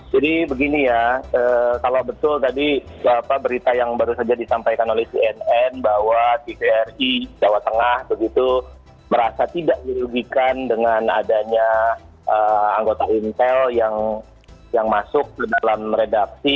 jadi begini ya kalau betul tadi berita yang baru saja disampaikan oleh cnn bahwa pcri jawa tengah begitu merasa tidak dirugikan dengan adanya anggota intel yang masuk ke dalam redaksi